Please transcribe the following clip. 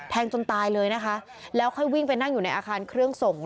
จนตายเลยนะคะแล้วค่อยวิ่งไปนั่งอยู่ในอาคารเครื่องส่ง